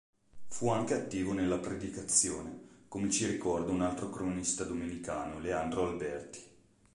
Fu anche attivo nella predicazione, come ci ricorda un altro cronista domenicano, Leandro Alberti.